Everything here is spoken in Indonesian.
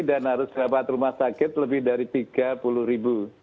dan harus dapat rumah sakit lebih dari tiga puluh ribu